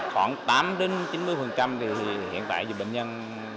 khoảng tám chín mươi thì hiện tại bệnh nhân